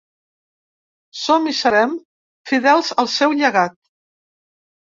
Som i serem fidels al seu llegat.